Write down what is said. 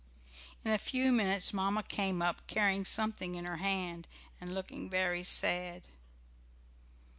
In a few minutes Mamma came up, carrying something in her hand, and looking very sad.